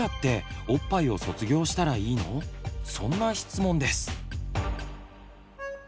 そんな質問です。